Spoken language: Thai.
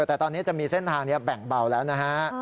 แต่ตอนนี้จะมีเส้นทางนี้แบ่งเบาแล้วนะฮะ